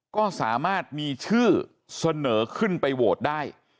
ก็สามารถมีชื่อเสนอขึ้นไปโหวตได้